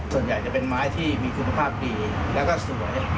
ส่วนใหญ่จะเป็นไม้ที่มีคุณภาพดีแล้วก็สวย